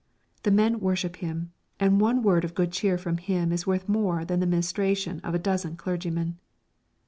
The men worship him, and one word of good cheer from him is worth more than the ministration of a dozen clergymen.